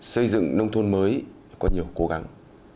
xây dựng nông thôn mới có nhiều cố gắng